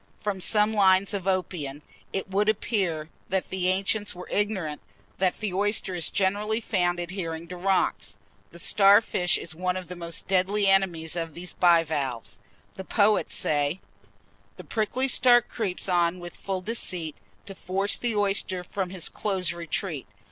From some lines of Oppian, it would appear that the ancients were ignorant that the oyster is generally found adhering to rocks. The starfish is one of the most deadly enemies of these bivalves. The poet says: The prickly star creeps on with full deceit To force the oyster from his close retreat.